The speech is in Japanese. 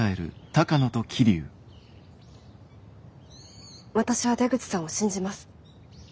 私は出口さんを信じます。